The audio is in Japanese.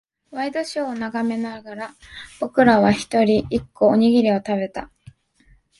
ワイドショーを眺めながら、僕らは一人、一個、おにぎりを食べた。